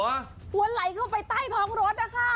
หัวไหลเข้าไปใต้ท้องรถนะคะ